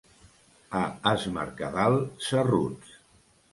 A es Mercadal, cerruts.